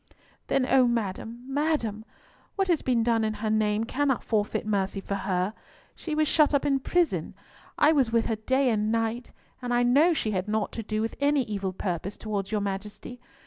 "Then, O madam, madam, what has been done in her name cannot forfeit mercy for her! She was shut up in prison; I was with her day and night, and I know she had naught to do with any evil purpose towards your Majesty.